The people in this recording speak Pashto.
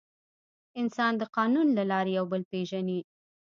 انسان د قانون له لارې یو بل پېژني.